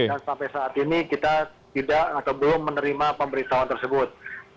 dan sampai saat ini kita tidak atau belum menerima pemberitahuan tersebut